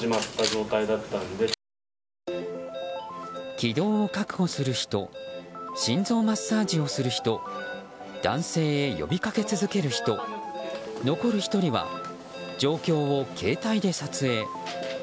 気道を確保する人心臓マッサージをする人男性へ呼びかけ続ける人残る１人は状況を携帯で撮影。